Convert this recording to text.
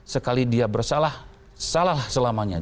sekali dia bersalah salah selamanya